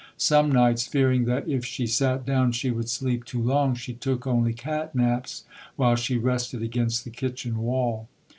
Some nights, fearing that if she sat down she would sleep too long, she took only cat naps while she rested against the kitchen wall.